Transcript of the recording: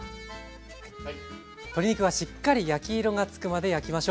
鶏肉はしっかり焼き色がつくまで焼きましょう。